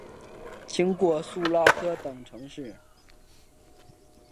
经过苏拉特等城市。